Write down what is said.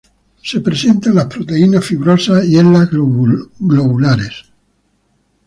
Se presenta en las proteínas fibrosas y en las globulares.